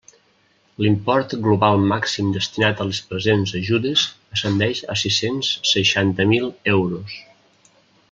L'import global màxim destinat a les presents ajudes ascendeix a sis-cents seixanta mil euros.